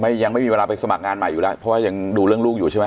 ยังไม่มีเวลาไปสมัครงานใหม่อยู่แล้วเพราะว่ายังดูเรื่องลูกอยู่ใช่ไหม